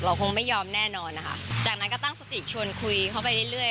คงไม่ยอมแน่นอนนะคะจากนั้นก็ตั้งสติชวนคุยเข้าไปเรื่อยเรื่อย